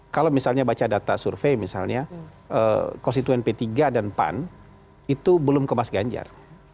kalau misalnya baca data survei misalnya konstituen p tiga dan pan itu belum ke mas ganjar